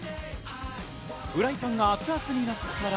フライパンが熱々になったら、